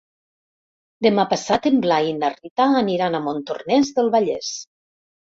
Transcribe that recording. Demà passat en Blai i na Rita aniran a Montornès del Vallès.